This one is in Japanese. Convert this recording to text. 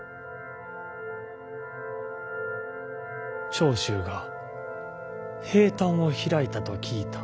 長州が兵端を開いたと聞いた。